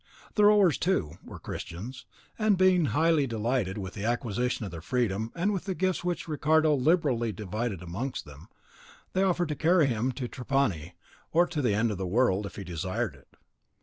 The rowers, too, were Christians, and being highly delighted with the acquisition of their freedom, and with the gifts which Ricardo liberally divided amongst them, they offered to carry him to Trapani, or to the end of the world, if he desired it.